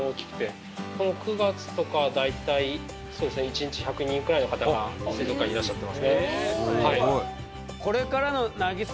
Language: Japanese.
この９月とかは大体そうですね一日１００人くらいの方が水族館にいらっしゃってますね。